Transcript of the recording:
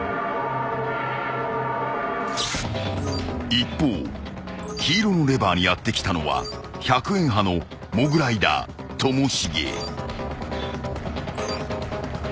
［一方黄色のレバーにやって来たのは１００円派のモグライダーともしげ］